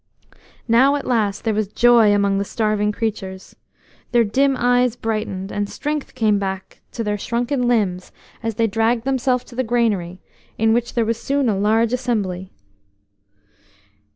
Now at last there was joy among the starving creatures. Their dim eyes brightened, and strength came back to their shrunken limbs as they dragged themselves to the granary, in which there was soon a large assembly.